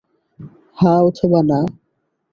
হ্যাঁ অথবা না।